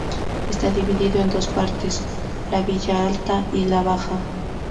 Está dividido en dos partes: la villa alta y la baja.